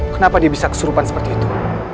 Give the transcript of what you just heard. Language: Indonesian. kenapa dia bisa kesurupan seperti itu